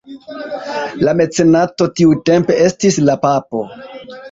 La mecenato tiutempe estis la Papo.